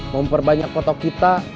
memperbanyak kotak kita